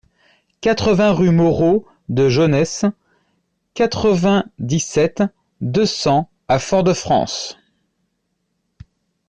quatre-vingts rue Moreau de Jonnès, quatre-vingt-dix-sept, deux cents à Fort-de-France